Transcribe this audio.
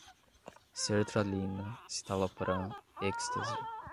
sertralina, citalopram, ecstazy